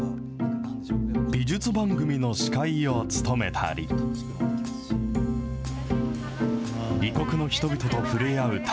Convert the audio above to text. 美術番組の司会を務めたり、異国の人々と触れ合う旅